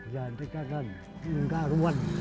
jangan dikatakan enggak ruan